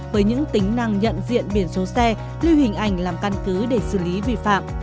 với những tính năng nhận diện biển số xe lưu hình ảnh làm căn cứ để xử lý vi phạm